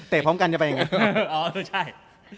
แตกพร้อมกันอย่างไร